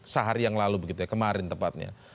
sehari yang lalu kemarin tepatnya